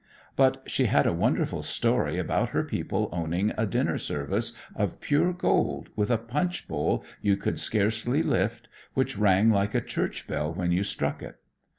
But she had a wonderful story about her people owning a dinner service of pure gold with a punch bowl you could scarcely lift, which rang like a church bell when you struck it.